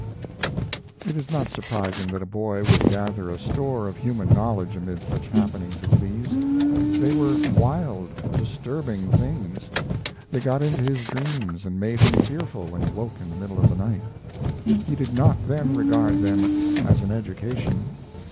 It is not surprising that a boy would gather a store of human knowledge amid such happenings as these. They were wild, disturbing things. They got into his dreams and made him fearful when he woke in the middle of the night. He did not then regard them as an education.